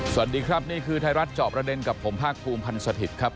สวัสดีครับนี่คือไทยรัฐจอบประเด็นกับผมภาคภูมิพันธ์สถิตย์ครับ